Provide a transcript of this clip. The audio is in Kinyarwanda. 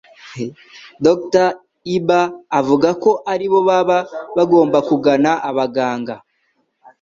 Dr. Iba avuga ko aribo baba bagomba kugana abaganga